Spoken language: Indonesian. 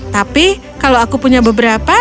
tapi kalau aku punya beberapa